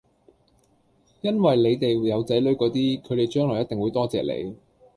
因為你哋有仔女嗰啲，佢哋將來一定會多謝你